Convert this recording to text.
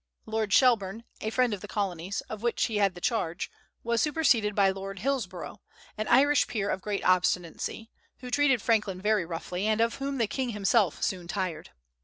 Lord Shelburne, a friend of the Colonies, of which he had the charge, was superseded by Lord Hillsborough, an Irish peer of great obstinacy, who treated Franklin very roughly, and of whom the king himself soon tired.